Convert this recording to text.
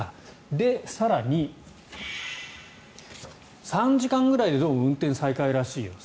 で、更に３時間ぐらいでどうも運転再開らしいよと。